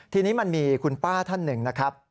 ทีนี้มันมีคุณป้าท่านหนึ่งนะครับ